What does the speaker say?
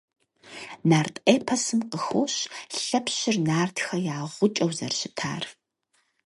Нарт эпосым къыхощ Лъэпщыр нартхэ я гъукӀэу зэрыщытат.